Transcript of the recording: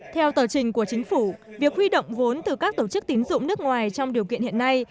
theo tờ trình của chính phủ việc huy động vốn từ các tổ chức tín dụng nước ngoài trong điều kiện hiện nay